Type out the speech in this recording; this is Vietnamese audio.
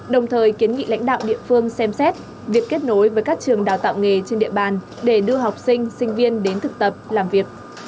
đồng thời kiến nghị lãnh đạo địa phương xem xét việc kết nối với các trường đào tạo nghề trên địa bàn để đưa học sinh sinh viên đến thực tập làm việc